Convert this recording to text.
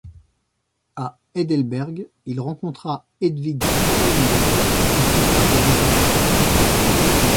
À Heidelberg, il rencontra Hedwig Schallenberg, qui plus tard devint sa femme.